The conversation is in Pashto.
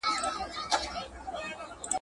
د مرګي د کوهي لاره مو اخیستې !.